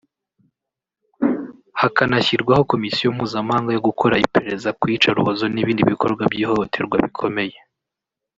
hakanashyirwaho komisiyo mpuzamahanga yo gukora iperereza ku iyicarubozo n’ibindi bikorwa by’ihohohoterwa bikomeye